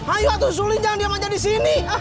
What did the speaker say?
ayo atuh susulin jangan diam aja disini